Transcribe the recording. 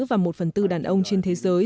và một phần tư đàn ông trên thế giới